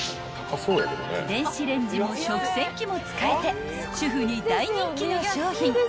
［電子レンジも食洗機も使えて主婦に大人気の商品］